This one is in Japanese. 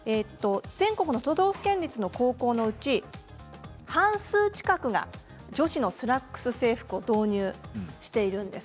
全国の都道府県立の高校のうち半数近くが女子のスラックス制服を導入しているんです。